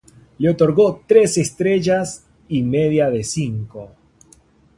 Le otorgó tres estrellas y media de cinco.